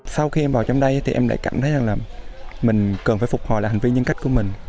sau khi em vào trong đây thì em lại cảm thấy rằng là mình cần phải phục hồi lại hành vi nhân cách của mình